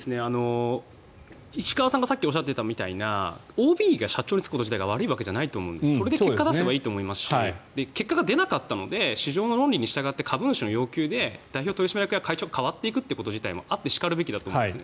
石川さんがさっきおっしゃってたみたいなＯＢが社長に就くこと自体が悪いことじゃなくてそれで結果を出せばいいと思いますし結果が出なかったので市場の論理に従って株主の要求で代表取締役や会長が代わっていくこともあってしかるべしだと思うんです。